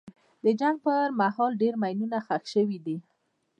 د جنګ پر مهال ډېر ماینونه ښخ شوي دي.